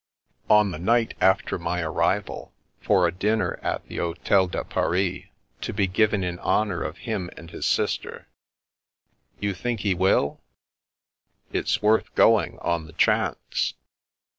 " On the night after my arrival for a dinner at the Hotel de Paris, to be given in honour of him and his sister." "You think he will?" " It's worth going on the chance."